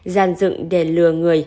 giàn dựng để lừa người